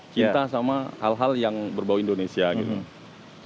cinta sama hal hal yang berbau indonesia gitu